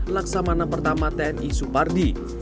laksamana pertama tni supardi